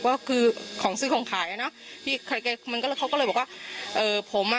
เพราะว่าคือของซื้อของขายอะเนาะพี่เขาก็เลยบอกว่าเอ่อผมอ่ะ